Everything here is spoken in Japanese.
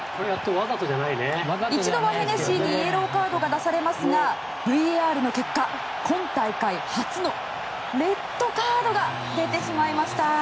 一度は、ヘネシーにイエローカードが出されますがＶＡＲの結果、今大会初のレッドカードが出てしまいました。